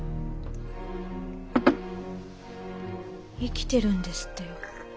生きてるんですってよ。